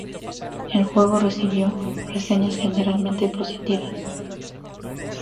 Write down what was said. El juego recibió reseñas generalmente positivas.